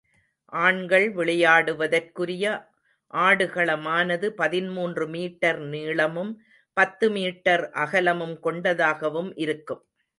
ஆண்கள் விளையாடுவதற்குரிய ஆடுகளமானது பதிமூன்று மீட்டர் நீளமும், பத்து மீட்டர் அகலமும் கொண்டதாகவும் இருக்கும்.